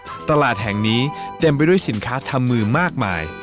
น้ำบอกแล้วครับตลาดแห่งนี้เต็มไปด้วยสินค้าทำมือมากมาย